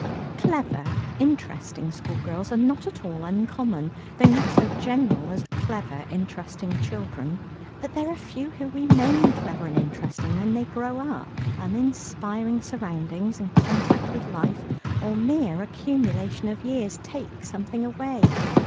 Clever, interesting schoolgirls are not at all uncommon, though not so general as clever, interesting children. But there are few who remain clever and interesting when they grow up. Uninspiring surroundings, and contact with life, or mere accumulation of years, take something away.